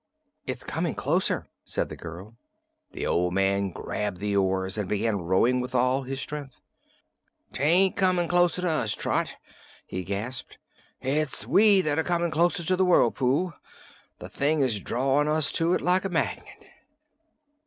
"It's coming closer," said the girl. The old man grabbed the oars and began rowing with all his strength. "'Tain't comin' closer to us, Trot," he gasped; "it's we that are comin' closer to the whirlpool. The thing is drawin' us to it like a magnet!"